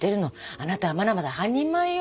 あなたはまだまだ半人前よ。